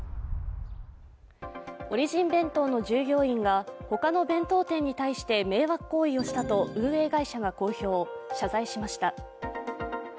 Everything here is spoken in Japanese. オリジン弁当の従業員が他の弁当店に対して迷惑行為をしたと運営会社が公表、謝罪しました。